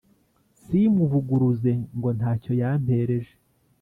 simuvuguruze ngo ntacyo yampereje